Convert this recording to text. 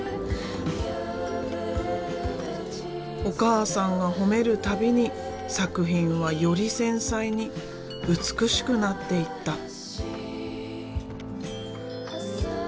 お母さんが褒める度に作品はより繊細に美しくなっていった。